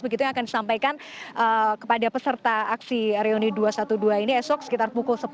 begitu yang akan disampaikan kepada peserta aksi reuni dua ratus dua belas ini esok sekitar pukul sepuluh